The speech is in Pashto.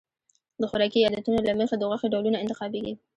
د خوراکي عادتونو له مخې د غوښې ډولونه انتخابېږي.